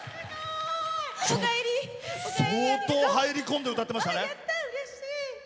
相当入り込んで歌ってましたね。